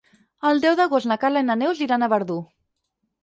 El deu d'agost na Carla i na Neus iran a Verdú.